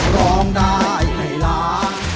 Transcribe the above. ร้องได้ให้ล้าน